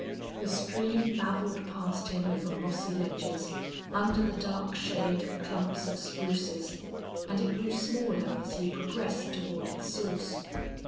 The stream babbled past him over mossy ledges, under the dark shade of clumps of spruces, and it grew smaller as he progressed toward its source.